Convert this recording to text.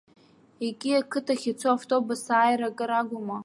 Еки ақыҭахь ицо автобус ааира акыр агума?